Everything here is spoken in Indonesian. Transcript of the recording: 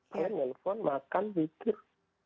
saya nyelepon makan tidur